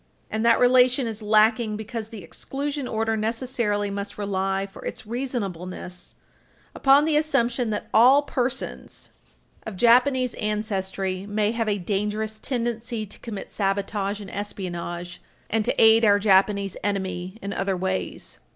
And that relation is lacking because the exclusion order necessarily must rely for its reasonableness upon the assumption that all persons of Japanese ancestry may have a dangerous tendency to commit sabotage and espionage and to aid our Japanese enemy in other ways.